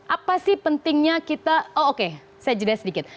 apa sih pentingnya kita oh oke saya jeda sedikit